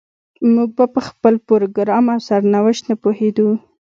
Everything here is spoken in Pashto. موږ په خپل پروګرام او سرنوشت نه پوهېدو.